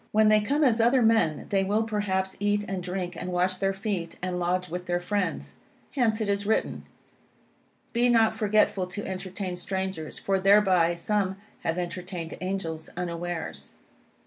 When they come as other men, they will perhaps eat and drink, and wash their feet; and lodge with their friends. Hence, it is written "Be not forgetful to entertain strangers: for thereby some have entertained angels unawares."